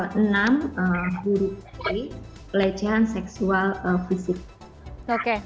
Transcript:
jadi itu adalah hal yang harus dipercayai oleh pemerintah